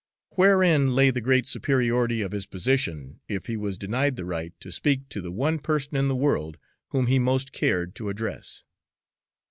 Wherein lay the great superiority of his position, if he was denied the right to speak to the one person in the world whom he most cared to address?